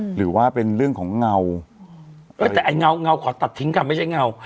หรือว่าเป็นเรื่องของเงาเออแต่ไอ้เงาเงาขอตัดทิ้งค่ะไม่ใช่เงา